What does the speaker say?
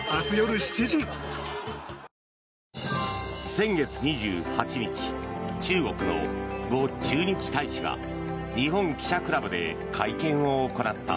先月２８日中国のゴ駐日大使が日本記者クラブで会見を行った。